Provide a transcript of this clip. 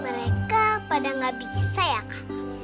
mereka pada nggak bisa ya kak